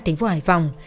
thành phố hải phòng